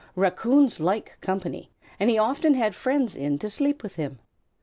Raccoons like company, and he often had friends in to sleep with him.